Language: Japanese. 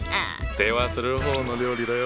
「世話する」方の料理だよ。